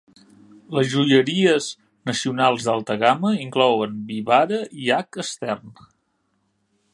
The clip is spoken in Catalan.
Les joieries nacionals d'alta gamma inclouen Vivara i H Stern.